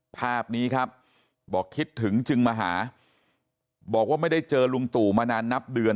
ภาพนี้ครับบอกคิดถึงจึงมาหาบอกว่าไม่ได้เจอลุงตู่มานานนับเดือน